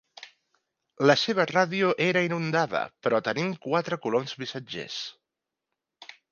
La seva ràdio era inundada però tenien quatre coloms missatgers.